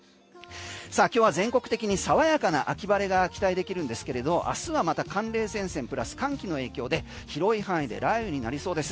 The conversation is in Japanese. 今日は全国的に爽やかな秋晴れが期待できるんですけれど明日はまた寒冷前線プラス寒気の影響で広い範囲で雷雨になりそうです。